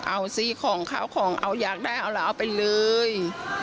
เอาสิของข้าวของเอาอยากได้เอาแล้วเอาไปเลย